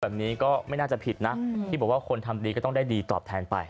แบบนี้ก็ไม่น่าจะผิดนะที่บอกว่าคนทำดีก็ต้องได้ดีตอบแทนไป